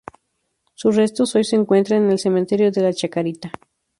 Sus restos hoy se encuentran en el Cementerio de la Chacarita.